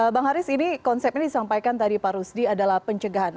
bang haris ini konsep ini disampaikan tadi pak rusdi adalah pencegahan